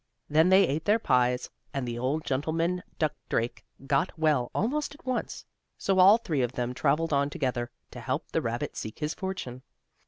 Then they ate their pies, and the old gentleman duck drake got well almost at once. So all three of them traveled on together, to help the rabbit seek his fortune.